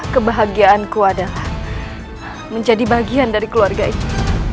kebahagiaanku adalah menjadi bagian dari keluarga ini